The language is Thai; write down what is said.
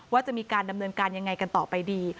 ว่าจะมีการดำเนินการยังไงกันต่อไปดี